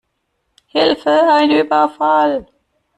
Hilfe ein Überfall!